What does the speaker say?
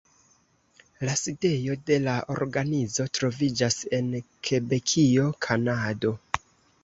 La sidejo de la organizo troviĝas en Kebekio, Kanado.